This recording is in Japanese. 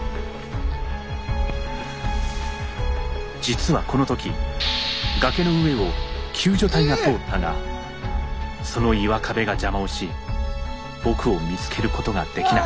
実はこの時崖の上を救助隊が通ったがその岩壁が邪魔をし僕を見つけることができなかった。